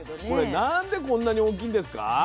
これ何でこんなに大きいんですか？